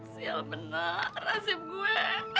sial benar nasib gue